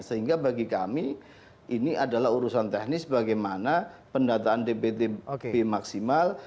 sehingga bagi kami ini adalah urusan teknis bagaimana pendataan dptb maksimal